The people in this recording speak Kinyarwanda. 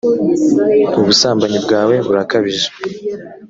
ubusambanyi bwawe burakabije